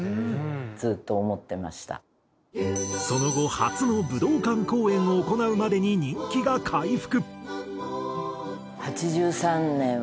その後初の武道館公演を行うまでに人気が回復。